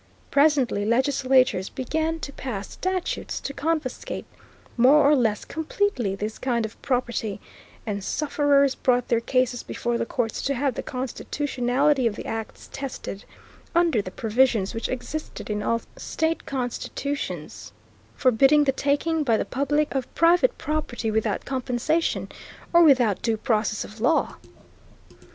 Presently legislatures began to pass statutes to confiscate, more or less completely, this kind of property, and sufferers brought their cases before the courts to have the constitutionality of the acts tested, under the provisions which existed in all state constitutions, forbidding the taking, by the public, of private property without compensation, or without due process of law.